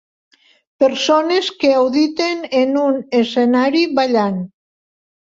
Persones que auditen en un escenari ballant.